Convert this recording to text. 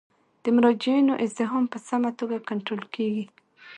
د مراجعینو ازدحام په سمه توګه کنټرول کیږي.